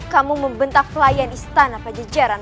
kamu membentak pelayan istana pajajaran